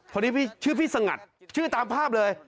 คนนี้ชื่อพี่สงัดชื่อตามภาพเลย